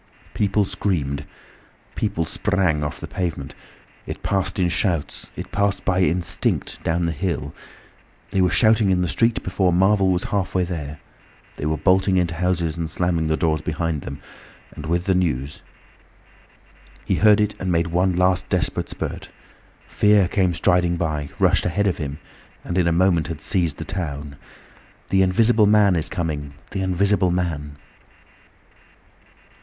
People screamed. People sprang off the pavement: It passed in shouts, it passed by instinct down the hill. They were shouting in the street before Marvel was halfway there. They were bolting into houses and slamming the doors behind them, with the news. He heard it and made one last desperate spurt. Fear came striding by, rushed ahead of him, and in a moment had seized the town. "The Invisible Man is coming! The Invisible Man!"